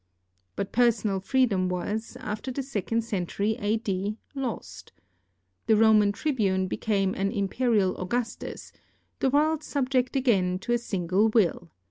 But personal freedom was, after the second century A. D., lost. The Roman tribune became an imperial Augustus, the world subject again to a single will.